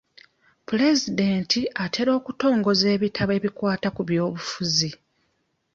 Pulezidenti atera okutongoza ebitabo ebikwata ku by'obufuzi.